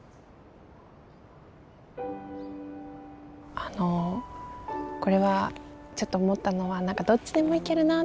あのこれはちょっと思ったのは何かどっちでもいけるなって。